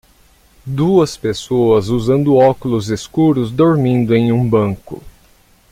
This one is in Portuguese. Duas pessoas usando óculos escuros, dormindo em um banco.